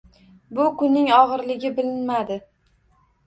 Bu kunning og`irligi bilinmadi